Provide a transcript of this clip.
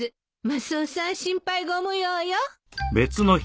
マスオさん心配ご無用よ。